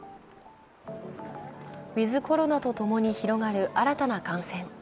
ウィズ・コロナとともに広がる新たな感染。